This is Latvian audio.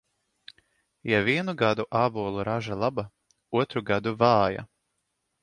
Ja vienu gadu ābolu raža laba, otru gadu vāja.